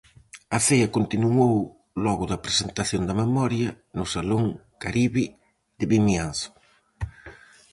A cea continuou logo da presentación da memoria, no Salón Caribe de Vimianzo.